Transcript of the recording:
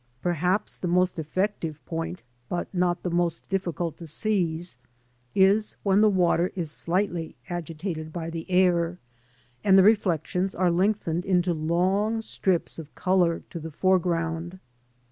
Perhaps the most effective point, but not the most difficult to seize, is when the water is slightly agitated by the air, and the reflections are lengthened into long strips of colour to the foreground.